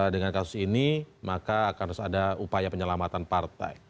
dengan kasus ini maka akan harus ada upaya penyelamatan partai